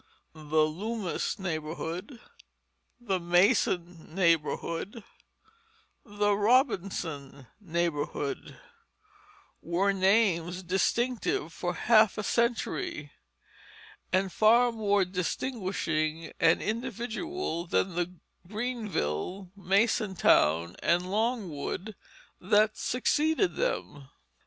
"The Loomis Neighborhood," "The Mason Neighborhood," "The Robinson Neighborhood" were names distinctive for half a century, and far more distinguishing and individual than the Greenville, Masontown, and Longwood that succeeded them.